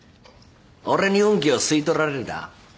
俺に運気を吸い取られるだ？